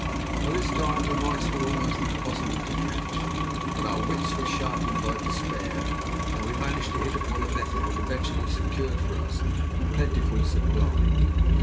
By this time the mice were almost impossible to catch, but our wits were sharpened by despair, and we managed to hit upon a method that eventually secured for us a plentiful supply.